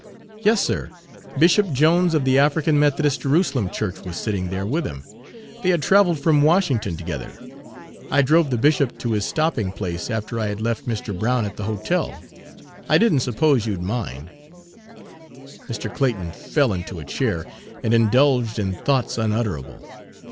"Yes, sir, Bishop Jones of the African Methodist Jerusalem Church was sitting there Page 128 with him; they had traveled from Washington together. I drove the bishop to his stopping place after I had left Mr. Brown at the hotel. I did n't suppose you'd mind." Mr. Clayton fell into a chair, and indulged in thoughts unutterable.